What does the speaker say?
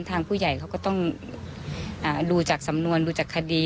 ทางผู้ใหญ่เขาก็ต้องดูจากสำนวนดูจากคดี